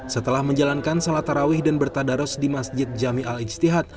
setelah menjalankan salat tarawih dan bertadaros di masjid jami al ijtihad